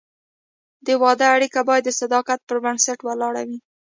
د واده اړیکه باید د صداقت پر بنسټ ولاړه وي.